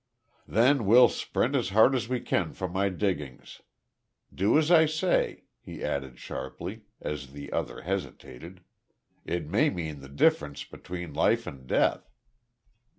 "Then we'll sprint as hard as we can for my diggings. Do as I say," he added, sharply, as the other hesitated. "It may mean the difference between life and death."